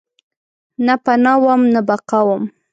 نه پناه وم ، نه بقاوم